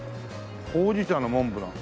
ほうじ茶のモンブラン。